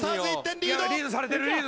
リードされてるリード。